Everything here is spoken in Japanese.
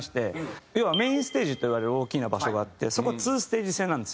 要はメインステージといわれる大きな場所があってそこは２ステージ制なんですよ。